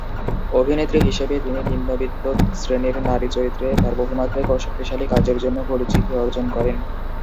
অভিনেত্রী হিসেবে তিনি নিম্নবিত্ত শ্রেণির নারী চরিত্রে তার বহুমাত্রিক ও শক্তিশালী কাজের জন্য পরিচিতি অর্জন করেন।